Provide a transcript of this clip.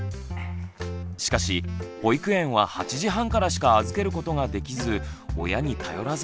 しかし保育園は８時半からしか預けることができず親に頼らざるをえません。